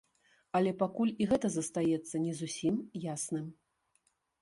Але пакуль і гэта застаецца не зусім ясным.